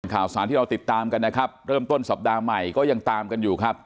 ข่าวสารที่เราติดตามกันนะครับเริ่มต้นสัปดาห์ใหม่ก็ยังตามกันอยู่ครับ